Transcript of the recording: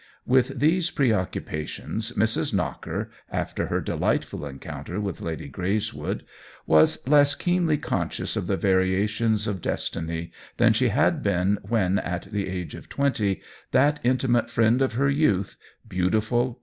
With these preoccupations Mrs. Knocker, after her delightful encoun ter with Lady Greyswood, was less keenly conscious of the variations of destiny than she had been when, at the age of twenty, that intimate friend of her youth, beautiful.